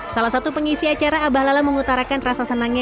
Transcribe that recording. salah satu pengisi acara abah lala mengutarakan rasa senangnya